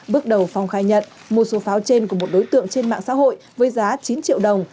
bước đầu phong khai nhận một số pháo trên của một đối tượng trên mạng xã hội với giá chín triệu đồng